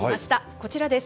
こちらです。